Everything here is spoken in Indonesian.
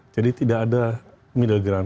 jadi tidak ada middle ground